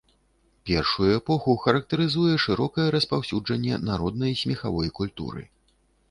Першую эпоху характарызуе шырокае распаўсюджанне народнай смехавой культуры.